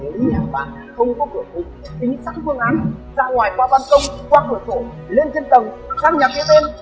nếu như bạn không có cửa khúc tính sẵn phương án ra ngoài qua bàn công qua cửa sổ lên trên tầng sang nhà kia lên